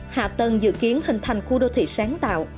hạ tầng dự kiến hình thành khu đô thị sáng tạo